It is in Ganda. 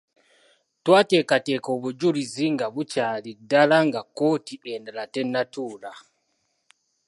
Twateekateeka obujulizi nga bukyali ddala nga kkooti endala tennatuula.